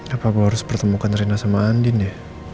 apa gue harus pertemukan reina sama andin ya